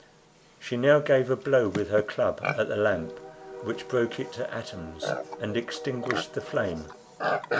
She now gave a blow with her club at the lamp, which broke it to atoms and extinguished the flame.